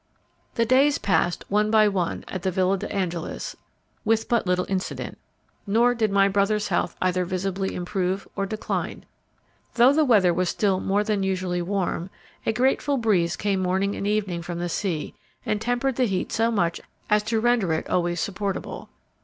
The days passed one by one at the Villa de Angelis with but little incident, nor did my brother's health either visibly improve or decline. Though the weather was still more than usually warm, a grateful breeze came morning and evening from the sea and tempered the heat so much as to render it always supportable.